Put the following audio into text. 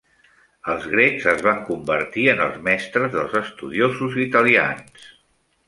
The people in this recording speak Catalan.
Els grecs es van convertir en els mestres dels estudiosos italians.